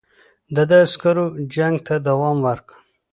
د ده عسکرو جنګ ته دوام ورکړ.